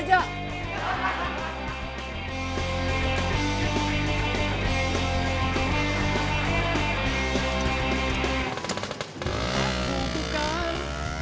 gua menang agreements